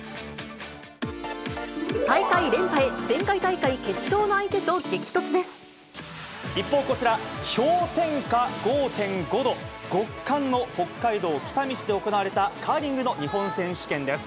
大会連覇へ、一方こちら、氷点下５．５度、極寒の北海道北見市で行われた、カーリングの日本選手権です。